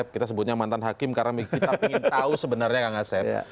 kita sebutnya mantan hakim karena kita ingin tahu sebenarnya kang asep